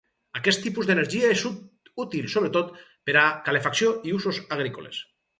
Aquest tipus d'energia és útil sobretot per a calefacció i usos agrícoles.